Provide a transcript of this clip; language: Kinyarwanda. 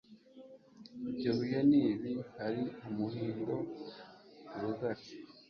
Ibyo bihe nibi hari UMUHINDO ,URUGARYI